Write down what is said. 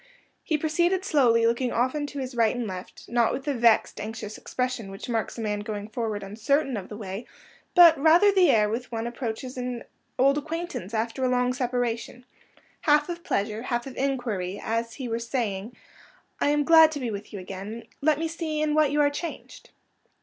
He proceeded slowly, looking often to his right and left; not with the vexed, anxious expression which marks a man going forward uncertain of the way, but rather the air with which one approaches as old acquaintance after a long separation—half of pleasure, half of inquiry; as if he were saying, "I am glad to be with you again; let me see in what you are changed."